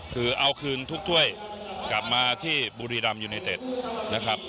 คือเอาคืนทุกถ้วยกลับมาที่บุรีรำยูไนเต็ดนะครับ